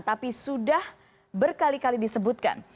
tapi sudah berkali kali disebutkan